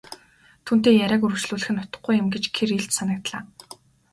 Түүнтэй яриаг үргэжлүүлэх нь утгагүй юм гэж Кириллд санагдлаа.